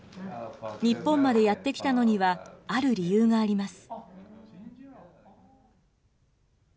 日本までやって来たのには、ある理由があります。